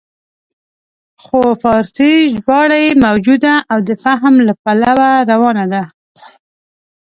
خو فارسي ژباړه یې موجوده او د فهم له پلوه روانه ده.